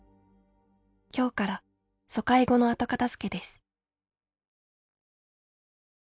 今日から疎開後の後片づけです」。